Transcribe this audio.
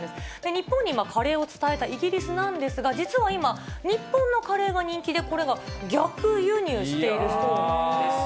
日本にカレーを伝えたイギリスなんですが、実は今、日本のカレーが人気で、これが逆輸入しているそうです。